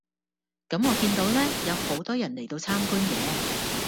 咁我見到呢有好多人嚟到參觀嘅